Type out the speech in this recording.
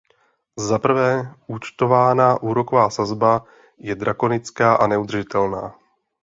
Zaprvé, účtovaná úroková sazba je drakonická a neudržitelná.